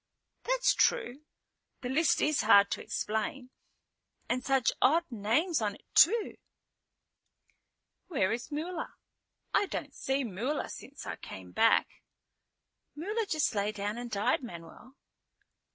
"That's true. The list is hard to explain. And such odd names on it too." "Where is Mula? I don't see Mula since I came back." "Mula just lay down and died, Manuel."